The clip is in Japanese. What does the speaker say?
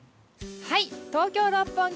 東京・六本木